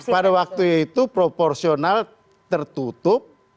pada waktu itu proporsional tertutup